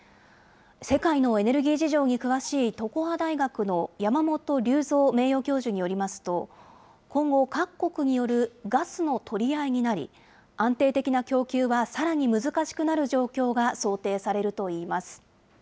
世界のエネルギー事情に詳しい、常葉大学の山本隆三名誉教授によりますと、今後、各国によるガスの取り合いになり、安定的な供給はさらに難しくなる状況が想定されるといいます。